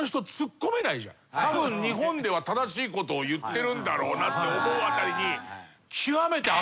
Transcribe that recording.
たぶん日本では正しいことを言ってるんだろうなって思うあたりに。